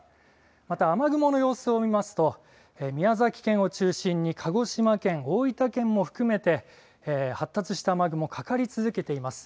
また雨雲の様子を見ますと宮崎県を中心に鹿児島県、大分県も含めて発達した雨雲、かかり続けています。